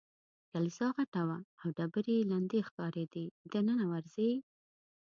کلیسا غټه وه او ډبرې یې لندې ښکارېدې، دننه ورځې؟